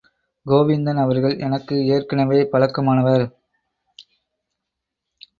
கோவிந்தன் அவர்கள் எனக்கு ஏற்கனவே பழக்கமானவர்.